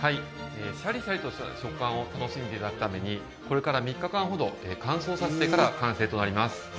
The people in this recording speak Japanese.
しゃりしゃりとした食感を楽しんでいただくためにこれから３日間ほど乾燥させてから完成となります。